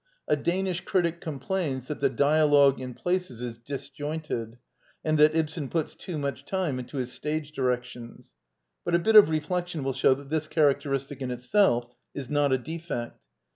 A Danish critic complains that the dialogue, in places, is disjointed, and that Ibsen puts too much into his stage direc tions, but a bit of reflection will show that this characteristic, in itself, is not a defect.